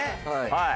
はい。